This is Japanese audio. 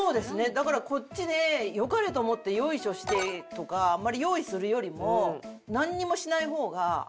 だからこっちでよかれと思ってヨイショしてとかあんまり用意するよりもなんにもしない方が。